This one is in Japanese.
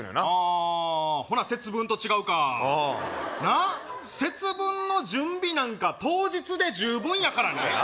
あほな節分と違うかああなっ節分の準備なんか当日で十分やからね